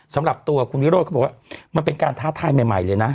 สำหรับตัวคุณวิโรธเขาบอกว่ามันเป็นการท้าทายใหม่เลยนะ